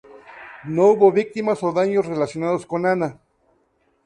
No hubo víctimas o daños relacionados con Ana.